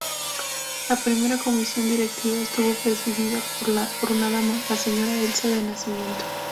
La primera Comisión Directiva estuvo presidida por una dama: la señora Elsa de Nacimiento.